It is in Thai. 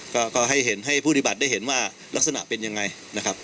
ก็ให้เห็นให้ผู้ปฏิบัติได้เห็นว่าลักษณะเป็นยังไงนะครับ